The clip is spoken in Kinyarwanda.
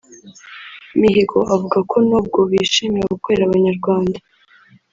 Mihigo avuga ko nubwo bishimira gukorera abanyarwanda